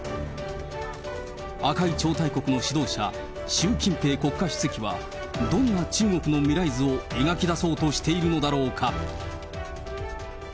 赤い超大国の指導者、習近平国家主席は、どんな中国の未来図を描き出そうとしているのだろうか。